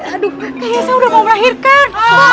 aduh kayaknya saya udah mau melahirkan